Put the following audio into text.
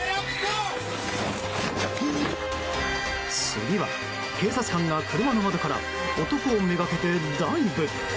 次は警察官が車の窓から男をめがけてダイブ。